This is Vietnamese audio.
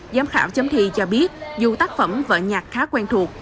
giám khảo chấm thi cho biết dù tác phẩm vợ nhạc khá quen thuộc